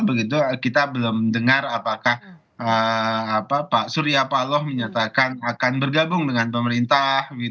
begitu kita belum dengar apakah pak surya paloh menyatakan akan bergabung dengan pemerintah